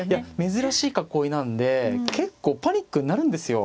珍しい囲いなんで結構パニックになるんですよ